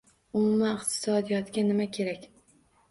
- Umuman, iqtisodiyotga nima kerak?